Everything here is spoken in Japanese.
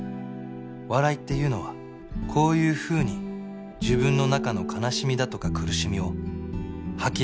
笑いっていうのはこういうふうに自分の中の悲しみだとか苦しみを吐き出す事だと思った